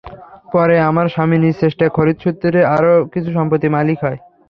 পরে আমার স্বামী নিজ চেষ্টায় খরিদসূত্রে আরও কিছু সম্পত্তির মালিক হয়।